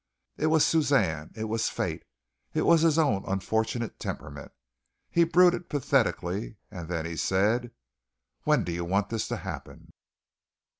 It was Suzanne it was fate, his own unfortunate temperament. He brooded pathetically, and then he said: "When do you want this to happen?"